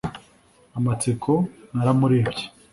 amatsiko naramurebye